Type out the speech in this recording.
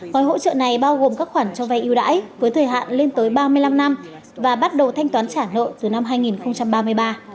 gói hỗ trợ này bao gồm các khoản cho vay yêu đãi với thời hạn lên tới ba mươi năm năm và bắt đầu thanh toán trả nợ từ năm hai nghìn ba mươi ba